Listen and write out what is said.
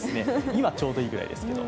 今ちょうどいいぐらいですけど。